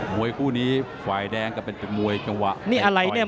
มวยคู่นี้ฝ่ายแดงก็เป็นมวยจังหวะนี่อะไรเนี่ย